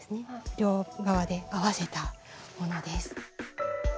両側で合わせたものです。